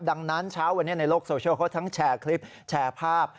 ดังนั้นเช้าวันนี้ในโลกโซเชียลเขาทั้งแชร์คลิปแชร์ภาพ